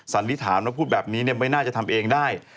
สันนี่ถามแล้วพูดแบบนี้เนี่ยไม่น่าจะทำเองได้